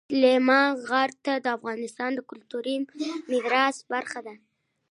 سلیمان غر د افغانستان د کلتوري میراث برخه ده.